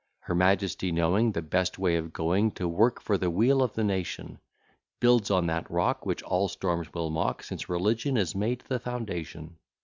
Her majesty, knowing The best way of going To work for the weal of the nation, Builds on that rock, Which all storms will mock, Since Religion is made the foundation.